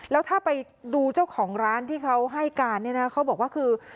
แล้วถ้าไปดูเจ้าของร้านที่เขาให้การเนี่ยนะเขาบอกว่าคือ